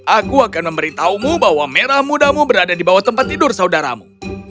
aku akan memberitahumu bahwa merah mudamu berada di bawah tempat tidur saudaramu